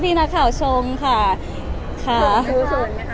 ได้ยังไงคะประโยคนั้นพี่หนึ่งในใจมานานแล้ว